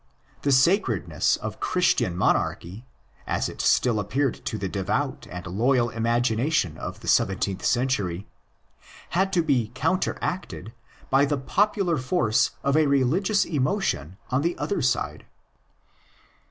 The sacred ness of '' Christian monarchy,'' as it still appeared to the devout and loyal imagination of the seventeenth century, had to be counteracted by the popular force of a religious emotion on the other side.